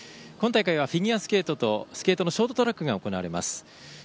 今大会はフィギュアスケートとスピードスケートのショートトラックが行われます。